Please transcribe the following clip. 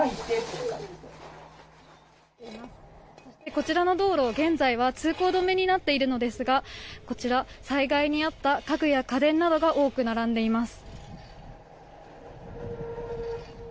こちらの道路、現在は通行止めになっているのですが災害に遭った家具や家電などが多く並んでいます。